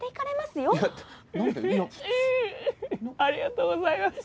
うううっありがとうございます。